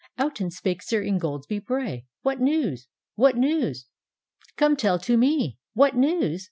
" Out and spake Sir Ingoldsby Bray, " What news? What news? Come tell to mcl What news?